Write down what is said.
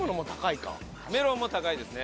メロンも高いですね。